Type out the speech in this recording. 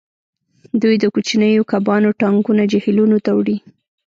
دوی د کوچنیو کبانو ټانکونه جهیلونو ته وړي